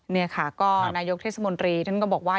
นี่ค่ะก็นายกเทศมนตรีท่านก็บอกว่า